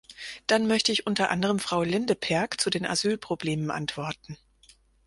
Dann möchte ich unter anderem Frau Lindeperg zu den Asylproblemen antworten.